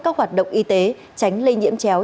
các hoạt động y tế tránh lây nhiễm chéo